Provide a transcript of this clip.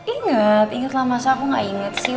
ingat ingatlah masa aku gak inget sih